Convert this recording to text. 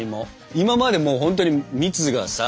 今までもうほんとに蜜がさ